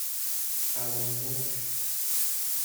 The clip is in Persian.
بَرانوش